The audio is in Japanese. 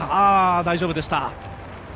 大丈夫でした。